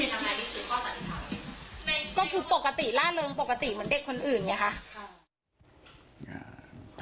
ก็คือปกติล่าเรืองปกติเหมือนเด็กคนอื่นอย่างนี้ค่ะ